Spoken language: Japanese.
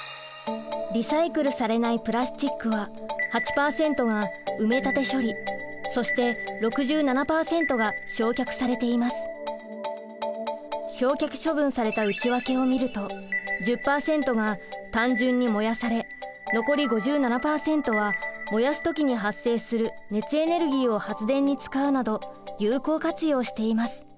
リサイクルされないプラスチックは焼却処分された内訳を見ると１０％が単純に燃やされ残り５７％は燃やす時に発生する熱エネルギーを発電に使うなど有効活用しています。